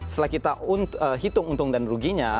setelah kita hitung untung dan ruginya